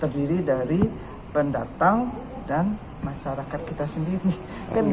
terdiri dari pendatang dan masyarakat kita sendiri